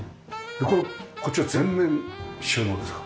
このこっちは全面収納ですか？